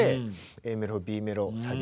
ＡメロＢメロサビ